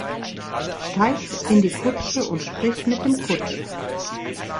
Steig in die Kutsche und sprich mit dem Kutscher.